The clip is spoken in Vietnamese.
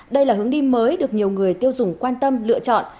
đây là hướng đi mới được nhiều người tiêu dùng quan tâm lựa chọn